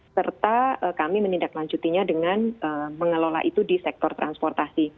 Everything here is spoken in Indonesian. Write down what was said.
serta kami menindaklanjutinya dengan mengelola itu di sektor transportasi